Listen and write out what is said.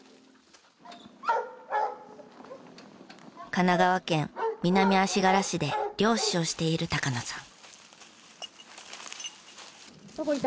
神奈川県南足柄市で猟師をしている高野さん。